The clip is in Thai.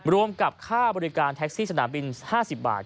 รวมกับค่าบริการแท็กซี่สนามบิน๕๐บาท